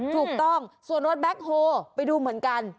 ถูกต้องส่วนรถแบ็คโฮไปดูเหมือนกัน